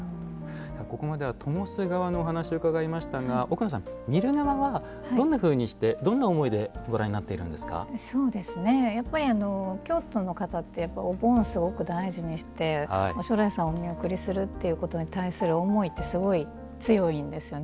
ここまではともす側のお話を伺いましたが奥野さん、見る側はどんなふうにして、どんな思いでご覧になってるんですか。京都の方ってお盆、すごく大事にしておしょらいさんをお見送りするっていうことに対する思いってすごい強いんですよ。